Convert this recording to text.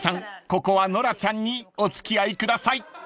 ここはノラちゃんにお付き合いください］